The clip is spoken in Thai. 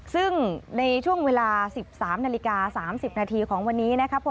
ซึ่งในช่วงเวลา๑๓นาฬิกา๓๐นาทีของวันนี้นะครับ